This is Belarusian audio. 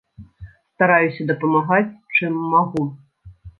Стараюся дапамагаць, чым магу.